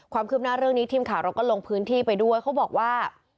ความคืบหน้าเรื่องนี้ทีมข่าวเราก็ลงพื้นที่ไปด้วยเขาบอกว่า